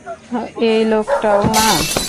এই লোকটাও না!